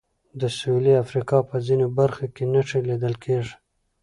د سوېلي افریقا په ځینو برخو کې نښې لیدل کېږي.